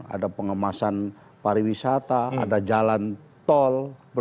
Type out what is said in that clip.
ada pengemasan pariwisata ada jalan tol